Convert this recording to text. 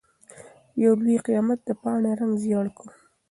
يو لوی قيامت د پاڼې رنګ ژېړ کړ.